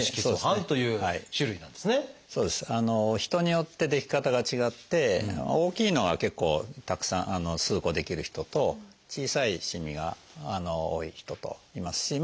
人によって出来方が違って大きいのが結構たくさん数個出来る人と小さいしみが多い人といますしま